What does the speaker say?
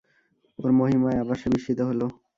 ওর মহিমায় আবার সে বিস্মিত হল।